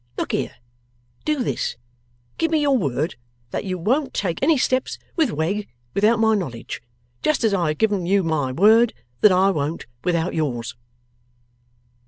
Look here. Do this. Give me your word that you won't take any steps with Wegg, without my knowledge, just as I have given you my word that I won't without yours.